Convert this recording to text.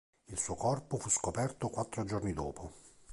Il suo corpo fu scoperto quattro giorni dopo.